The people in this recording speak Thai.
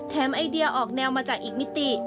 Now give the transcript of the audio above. ไอเดียออกแนวมาจากอีกมิติ